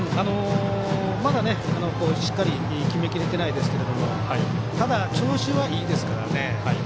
まだしっかり決めきれてないですけどただ、調子はいいですからね。